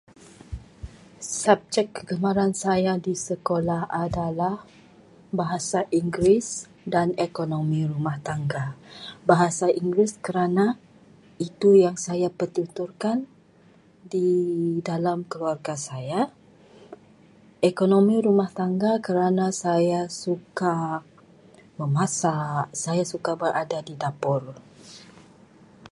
Subjek kegemaran saya di sekolah adalah Bahasa Inggeris dan Ekonomi Rumah Tangga. Bahasa Inggeris kerana itu bahasa yang saya pertuturkan. Ekonomi rumah tangga kerana saya suka memasak, saya suka berada di dapur.